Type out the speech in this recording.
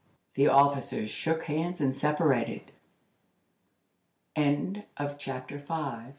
The officers shook hands and separated. CHAPTER